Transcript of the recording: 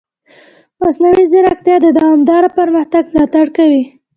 مصنوعي ځیرکتیا د دوامدار پرمختګ ملاتړ کوي.